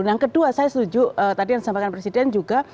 yang kedua saya setuju tadi yang disampaikan presiden juga